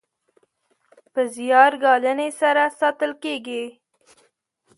په زیار ګالنې سره ساتل کیږي.